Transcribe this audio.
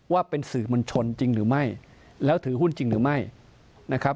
ว่าเป็นสื่อมวลชนจริงหรือไม่แล้วถือหุ้นจริงหรือไม่นะครับ